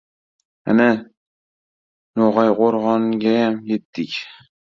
Ana, No‘g‘ayqo‘rg‘ongayam yetdik.